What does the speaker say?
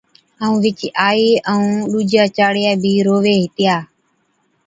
ائُون وِچِي آئِي ائُون ڏُوجِيا چاڙِيا بِي رووي ھِتيا